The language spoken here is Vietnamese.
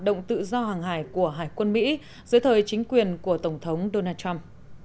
động tự do hàng hải của hải quân mỹ dưới thời chính quyền của tổng thống donald trump